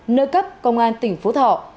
nơi cấp công an tp hcm